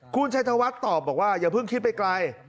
คุณชัยธวัฒน์ตอบบอกว่าอย่าเพิ่งคิดไปไกล